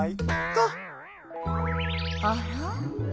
あら？